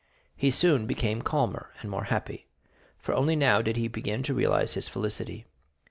He soon became calmer and more happy, for only now did he begin to realize his felicity.